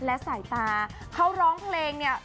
และสายตาเขาร้องเพลงเนี่ย